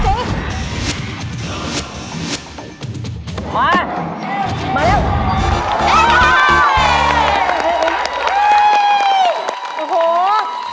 มึงจะถูกไปอ่ะไม่ได้นะให้ดูสิ